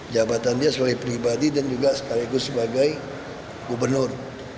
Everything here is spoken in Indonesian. jabatan dia sebagai pribadi dan juga sekaligus sebagai gubernur